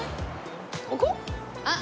ここ？あっ！